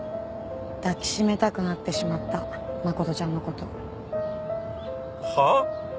抱きしめたくなってしまった真琴ちゃんの事。はあ！？